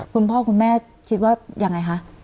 คุณพ่อคุณแม่คิดว่ายังไงคะ